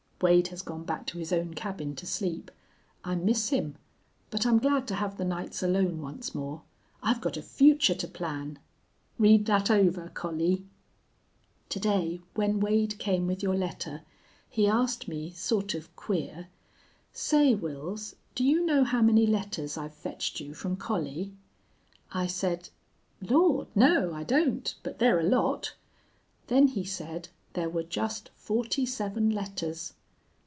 Wade has gone back to his own cabin to sleep. I miss him. But I'm glad to have the nights alone once more. I've got a future to plan! Read that over, Collie. "To day, when Wade came with your letter, he asked me, sort of queer, 'Say, Wils, do you know how many letters I've fetched you from Collie?' I said, 'Lord, no, I don't, but they're a lot.' Then he said there were just forty seven letters.